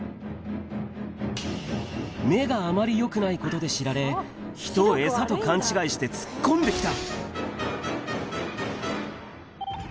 目があまりよくないことで知られ、人を餌と勘違いして突っ込んできた。